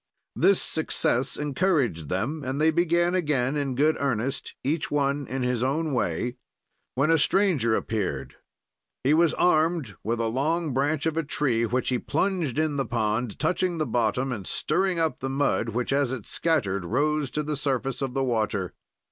"This success encouraged them, and they began again in good earnest, each one in his own way, when a stranger appeared; he was armed with a long branch of a tree, which he plunged in the pond, touching the bottom and stirring up the mud, which, as it scattered, rose to the surface of the water.